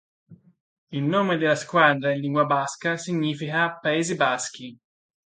Il nome della squadra in lingua basca significa Paesi Baschi.